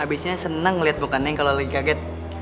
abisnya seneng liat bukaan neng kalo lagi kaget